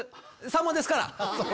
さんまですから。